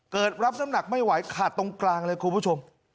รับน้ำหนักไม่ไหวขาดตรงกลางเลยคุณผู้ชม